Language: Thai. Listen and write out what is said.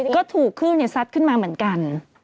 ก็ถูกคลื่นซัดขึ้นมาเหมือนกัน